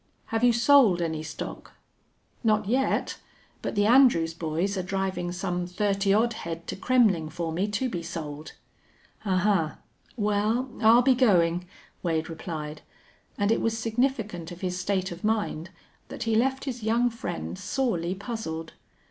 "Have you sold any stock?" "Not yet. But the Andrews boys are driving some thirty odd head to Kremmling for me to be sold." "Ahuh! Well, I'll be goin'," Wade replied, and it was significant of his state of mind that he left his young friend sorely puzzled.